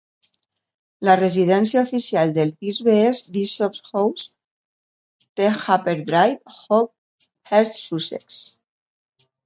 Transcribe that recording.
La residència oficial del bisbe és Bishop's House, The Upper Drive, Hove, East Sussex.